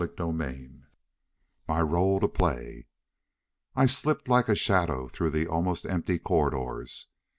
CHAPTER X My Role to Play I slipped like a shadow through the almost empty corridors.